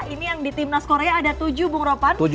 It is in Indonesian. ini yang di timnas korea ada tujuh bungropan